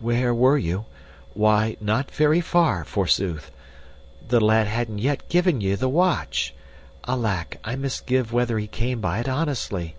"Where were you? Why, not very far, forsooth the lad hadn't yet given ye the watch alack, I misgive whether he came by it honestly!"